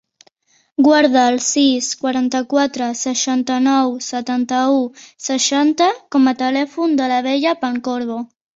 Guarda el sis, quaranta-quatre, seixanta-nou, setanta-u, seixanta com a telèfon de la Bella Pancorbo.